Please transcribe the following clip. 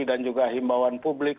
dan juga himbawan publik